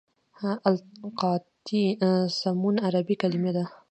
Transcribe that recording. التقاطي سمون عربي کلمه ده.